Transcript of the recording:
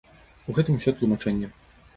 У гэтым усё тлумачэнне.